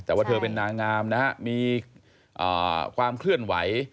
แต่ว่าเธอเป็นนางงามนะฮะมีความเคลื่อนไหว